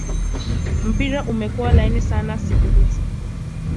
mpira umekua laini sana siku hizi